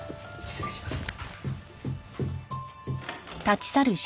失礼します。